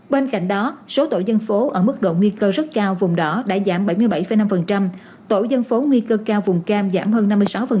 bên cạnh đó số tổ dân phố ở mức độ nguy cơ rất cao vùng đỏ đã giảm bảy mươi bảy năm tổ dân phố nguy cơ cao vùng cam giảm hơn năm mươi sáu